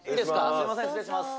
すいません失礼します。